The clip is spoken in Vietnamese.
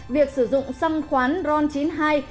việc sử dụng xăng khoán ron chín mươi hai sẽ hoàn toàn